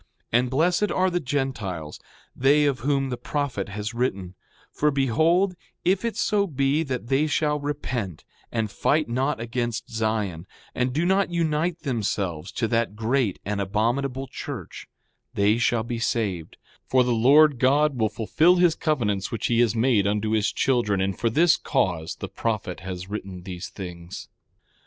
6:12 And blessed are the Gentiles, they of whom the prophet has written; for behold, if it so be that they shall repent and fight not against Zion, and do not unite themselves to that great and abominable church, they shall be saved; for the Lord God will fulfil his covenants which he has made unto his children; and for this cause the prophet has written these things.